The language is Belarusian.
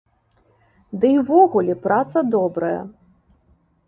Ды і ўвогуле, праца добрая.